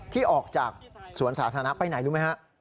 ที่ออกจากสวนสาธารณะไปไหนรู้ไหมฮะ